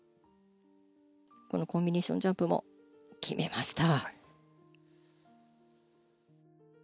このコンビネーションジャンプも決めました。